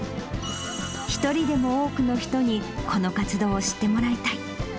一人でも多くの人に、この活動を知ってもらいたい。